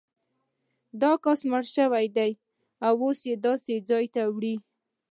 دا کس مړ شوی دی او داسې ځای ته یې وړي.